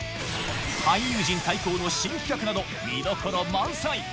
俳優陣対決の新企画など見どころ満載。